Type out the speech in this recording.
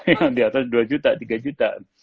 yang di atas dua juta tiga juta